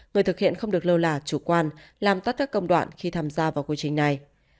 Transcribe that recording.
người thực hiện không được lơ là chủ quan làm tắt các công đoạn khi tham gia vào quy trình này